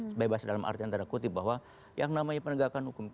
sebebas dalam arti yang tadi aku kutip bahwa yang namanya penegakan hukum